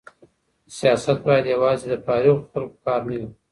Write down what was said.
سياست بايد يوازي د فارغو خلګو کار نه وي.